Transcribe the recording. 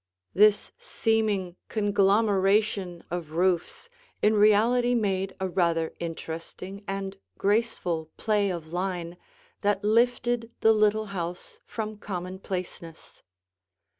This seeming conglomeration of roofs in reality made a rather interesting and graceful play of line that lifted the little house from commonplaceness.